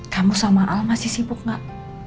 kamu sama al masih sibuk gak